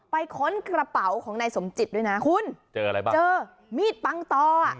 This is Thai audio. ค้นกระเป๋าของนายสมจิตด้วยนะคุณเจออะไรบ้างเจอมีดปังตออ่ะ